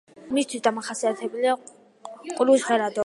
მისთვის დამახასიათებელია ყრუ ჟღერადობა.